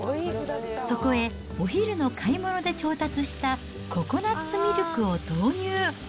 そこへお昼の買い物で調達したココナッツミルクを投入。